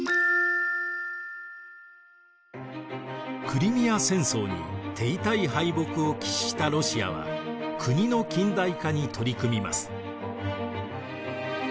クリミア戦争に手痛い敗北を喫したロシアは国の近代化に取り組みます。